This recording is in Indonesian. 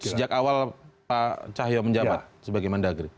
sejak awal pak cahaya menjabat sebagai mandagri